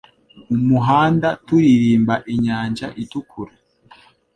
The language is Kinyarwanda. Umuhanda turirimba inyanja iguruka